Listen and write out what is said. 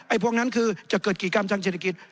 พวกนั้นคือจะเกิดกิจกรรมทางเศรษฐกิจ